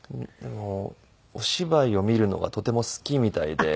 お芝居を見るのがとても好きみたいで。